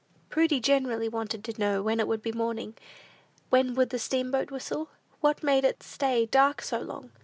Prudy generally wanted to know when it would be morning? When would the steamboat whistle? What made it stay dark so long?